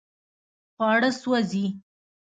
خواړه سوځي